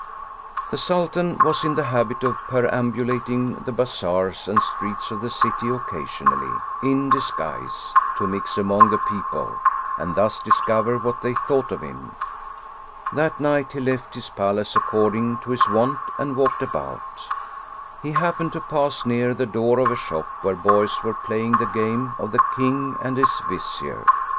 The Sultan was in the habit of perambulating the bazaars and streets of the city occasionally, in disguise, to mix among the people, and thus discover what they thought of him. That night he left his palace according to his wont and walked about. He happened to pass near the door of a shop where boys were playing the game of " The King and his Vizier."